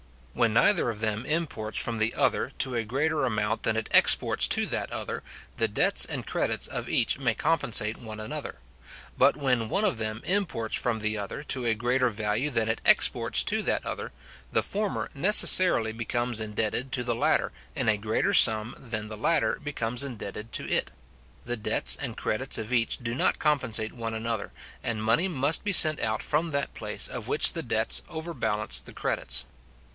When neither of them imports from from other to a greater amount than it exports to that other, the debts and credits of each may compensate one another. But when one of them imports from the other to a greater value than it exports to that other, the former necessarily becomes indebted to the latter in a greater sum than the latter becomes indebted to it: the debts and credits of each do not compensate one another, and money must be sent out from that place of which the debts overbalance the credits.